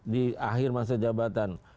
di akhir masa jabatan